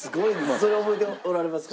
それは覚えておられますか？